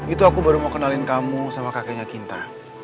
itu aku baru mau kenalin kamu sama kakaknya kinta